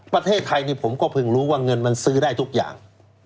ประเทศไทยผมก็เพิ่งรู้ว่าเงินมันซื้อได้ทุกอย่าง